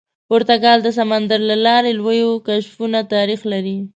پرتګال د سمندر له لارې لویو کشفونو تاریخ لري.